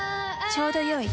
ちょうどよい。